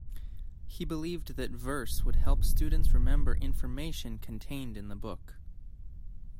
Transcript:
He believed that verse would help students remember information contained in the book.